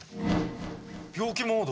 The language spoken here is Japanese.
病気モード？